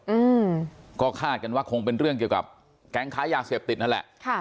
อืมก็คาดกันว่าคงเป็นเรื่องเกี่ยวกับแก๊งค้ายาเสพติดนั่นแหละค่ะ